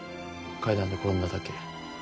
階段で転んだだけ。